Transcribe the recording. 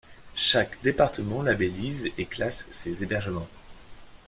Chaque département labellise et classe ses hébergements.